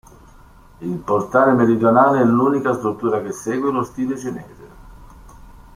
Il portale meridionale è l'unica struttura che segue lo stile cinese.